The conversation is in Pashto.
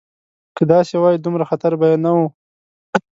که داسې وای دومره خطر به یې نه و.